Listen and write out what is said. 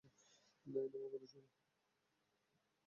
নায়না, আমার কথা শুনো।